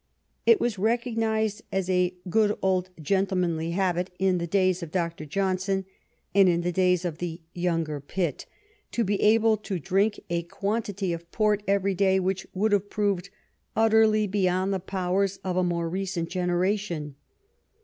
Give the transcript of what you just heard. It was recognized as a good old gentlemanly habit in the days of Dr. Johnson and in the days of the younger Pitt to be able to drink a quantity of port every day which would have proved utterly beyond the powers of a more recent generation.